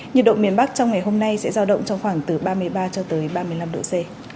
nhiệt độ miền bắc trong ngày hôm nay sẽ giao động trong khoảng từ ba mươi ba cho tới ba mươi năm độ c